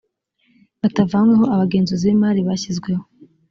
batavanyweho abagenzuzi b imari bashyizweho